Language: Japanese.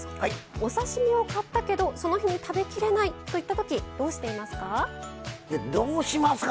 お刺身を買ったけどその日に食べきれないといったときどうしていますか？